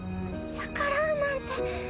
逆らうなんて。